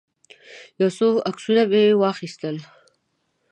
یو څو عکسونه مې واخیستل.